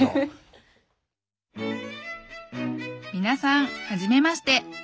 皆さんはじめまして！